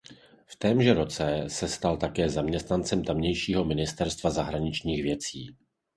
V témže roce se stal také zaměstnancem tamějšího ministerstva zahraničních věcí.